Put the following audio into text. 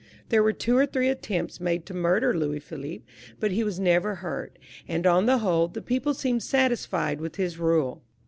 There were two or three attonipts made to murder Louis Philippe, bnt he was novx>r hurt ; and, on tlie whole, the people seemed satisfied with his nile.